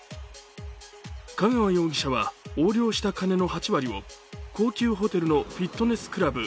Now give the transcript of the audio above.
香川容疑者は、横領した金の８割を高級ホテルのフィットネスクラブ